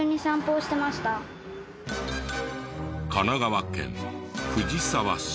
神奈川県藤沢市。